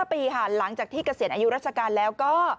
๕ปีค่ะหลังจากที่เกษียณอายุราชการแล้วก็